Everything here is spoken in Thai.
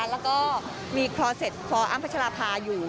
แล้วก็มีคลอเซ็ตฟอร์อ้ำพัชรภาอยู่